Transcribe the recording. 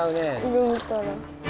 色見たら。